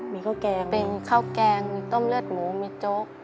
มีข้าวแกงเป็นข้าวแกงมีต้มเลือดหมูมีโจ๊ก